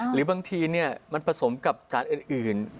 หรือบางทีมันผสมกับสารอื่น